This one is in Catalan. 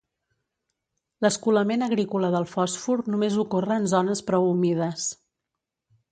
L'escolament agrícola del fòsfor només ocorre en zones prou humides.